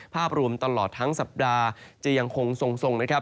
ภาพรวมตลอดทั้งทางสัปดาห์จะยังคงทรง